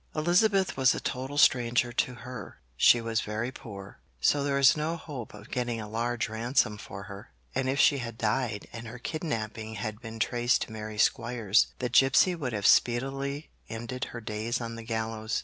Elizabeth was a total stranger to her; she was very poor, so there was no hope of getting a large ransom for her; and if she had died and her kidnapping had been traced to Mary Squires, the gipsy would have speedily ended her days on the gallows.